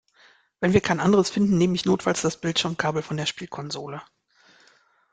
Wenn wir kein anderes finden, nehme ich notfalls das Bildschirmkabel von der Spielkonsole.